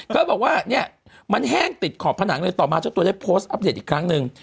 ก็บอกว่าเนี่ยมันแห้งติดขอบผนังเลยต่อมาเจ้าตัวได้โพสต์อัปเดตอีกครั้งหนึ่ง